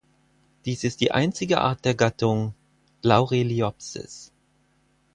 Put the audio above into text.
Es ist die einzige Art der Gattung "Laureliopsis".